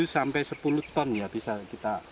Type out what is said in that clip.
yang bisa kita hasilkan dalam satu hektare